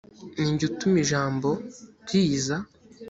ni jye utuma ijambo riza